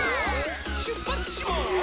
しゅっぱつします！